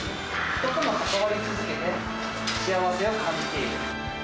人との関わりを続けて、幸せを感じている。